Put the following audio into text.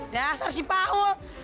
dasar si paul